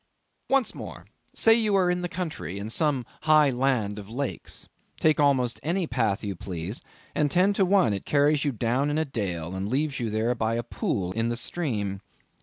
Once more. Say you are in the country; in some high land of lakes. Take almost any path you please, and ten to one it carries you down in a dale, and leaves you there by a pool in the stream.